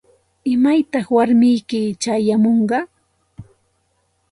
¿Imaytaq warmiyki chayamunqa?